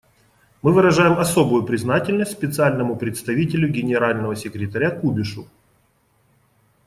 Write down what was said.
Мы выражаем особую признательность Специальному представителю Генерального секретаря Кубишу.